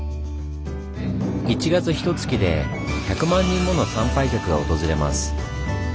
１月ひとつきで１００万人もの参拝客が訪れます。